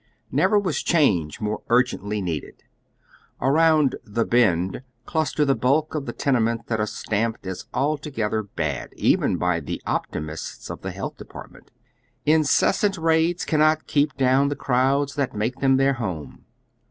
Never was change more urgently needed. Around " the Bend " cluster the bulk of the tenements that are stamped as altogether bad, even by the optimists of the Health Department. Incessant raids cannot keep down the crowds that make them tlieir home.